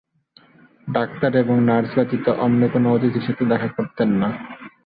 Doctor এবং nurse ব্যতীত অন্য কোন অতিথির সাথে দেখা করতেন না।